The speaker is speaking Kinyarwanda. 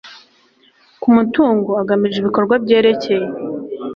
ku mutungo agamije ibikorwa byerekeye